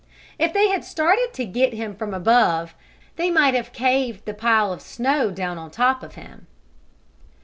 If they had started to get him from above they might have caved the pile of snow down on top of him.